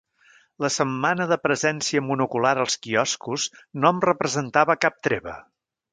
La setmana de presència monocular als quioscos no em representa cap treva.